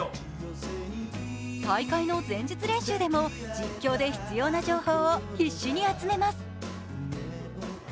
大会の前日練習でも実況で必要な情報を必死に集めます。